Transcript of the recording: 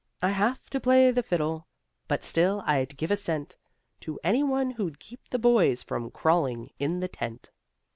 I have to play the fiddle, But still I'd give a cent To any one who'd keep the boys From crawling in the tent.